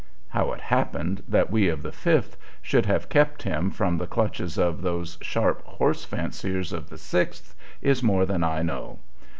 How it happened that we of the Fifth should have kept him from the clutches of those sharp horse fanciers of the Sixth is more than I know.